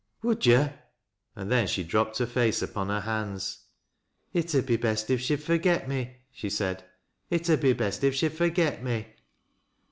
" Would yo'?" and then she dropped her fa^e upon hei hands. " It ud be best if she'd forget me," she said. " I( nd be best if she'd forget me."